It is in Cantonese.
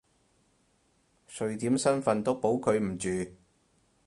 瑞典身份都保佢唔住！